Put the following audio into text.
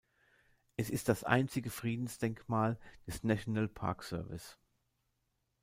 Es ist das einzige Friedensdenkmal des National Park Service.